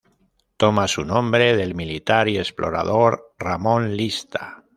Toma su nombre del militar y explorador Ramón Lista.